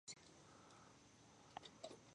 عبدالکریم خرم،